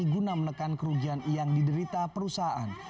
guna menekan kerugian yang diderita perusahaan